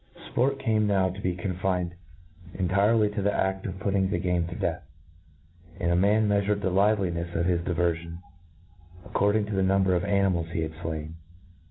• Sport came now to be confined intirely to the aQ: of putting the game to death ; and a man meafured the live linefs of his divcrfion according to the number of animals he had flain.